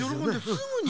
すぐに。